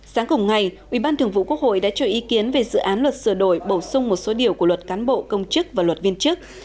sáng cùng ngày ubth đã cho ý kiến về dự án luật sửa đổi bổ sung một số điều của luật cán bộ công chức và luật viên chức